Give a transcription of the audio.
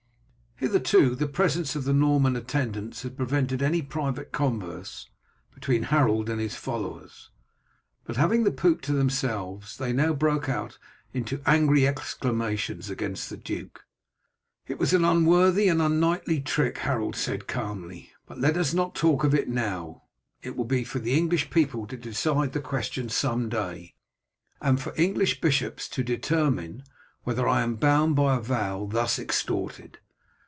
Hitherto the presence of the Norman attendants had prevented any private converse between Harold and his followers, but having the poop to themselves they now broke out into angry exclamations against the duke. "It was an unworthy and unknightly trick," Harold said calmly; "but let us not talk of it now; it will be for the English people to decide the question some day, and for English bishops to determine whether I am bound by a vow thus extorted.